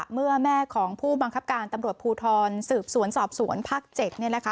เมื่อแม่ของผู้บังคับการตำรวจภูทรสืบสวนสอบสวนภาค๗เนี่ยนะคะ